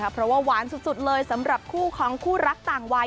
เพราะว่าหวานสุดเลยสำหรับคู่ของคู่รักต่างวัย